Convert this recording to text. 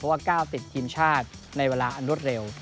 เพราะว่าก้าวติดทีมชาติในเวลาอนดรสเร็ว